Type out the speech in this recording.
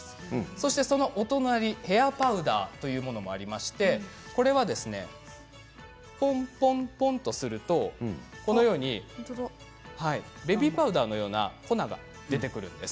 そしてヘアパウダーというものもありまして、これはポンポンとするとベビーパウダーのような粉が出てくるんです。